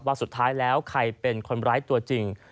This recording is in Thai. สุดท้ายแล้วใครเป็นคนร้ายตัวจริง